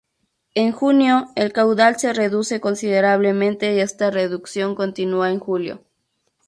En junio, el caudal se reduce considerablemente y esta reducción continúa en julio.